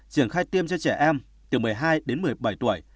triển khai tiêm cho trẻ em từ một mươi hai đến một mươi bảy tuổi